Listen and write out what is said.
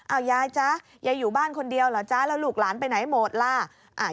เอายายจ๊ะยายอยู่บ้านคนเดียวเหรอจ๊ะแล้วลูกหลานไปไหนหมดล่ะ